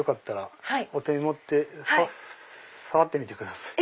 手に持って触ってみてください。